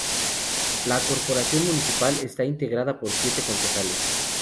La corporación municipal está integrada por siete concejales.